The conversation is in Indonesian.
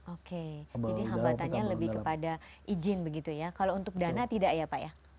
oke jadi hambatannya lebih kepada izin begitu ya kalau untuk dana tidak ya pak ya